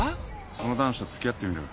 その男子と付き合ってみろよ。